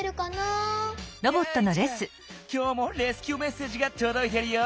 きょうもレスキューメッセージがとどいてるよ！